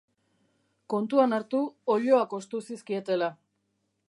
Kontuan hartu oiloak ohostu zizkietela.